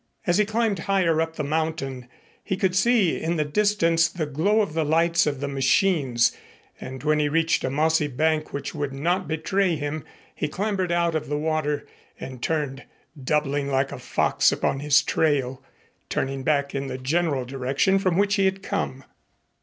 As he climbed higher up the mountain, he could see in the distance the glow of the lights of the machines and when he reached a mossy bank which would not betray him, he clambered out of the water and turned, doubling like a fox, upon his trail, turning back in the general direction from which he had come.